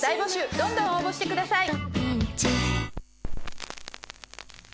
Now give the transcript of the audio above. どんどん応募してください！